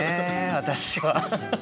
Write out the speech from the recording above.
私は。